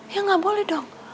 ya gak boleh dong